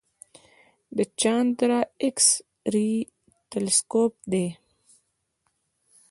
د چانډرا ایکس رې تلسکوپ دی.